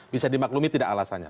bisa dimaklumi tidak alasannya